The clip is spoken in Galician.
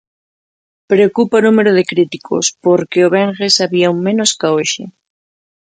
Preocupa o número do críticos, porque o venres había un menos ca hoxe.